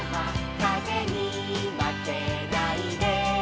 「かぜにまけないで」